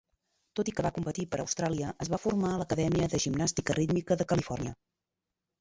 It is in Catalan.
Tot i que va competir per Austràlia, es va formar a l'Acadèmia de Gimnàstica Rítmica de Califòrnia.